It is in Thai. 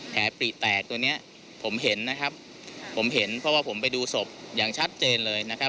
ปริแตกตัวเนี้ยผมเห็นนะครับผมเห็นเพราะว่าผมไปดูศพอย่างชัดเจนเลยนะครับ